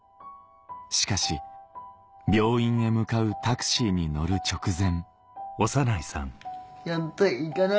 しかし病院へ向かうタクシーに乗る直前